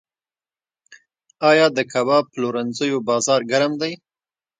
آیا د کباب پلورنځیو بازار ګرم دی؟